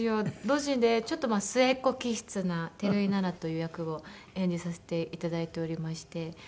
ドジでちょっと末っ子気質な照井七菜という役を演じさせていただいておりまして。